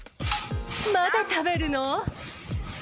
まだ食べるの？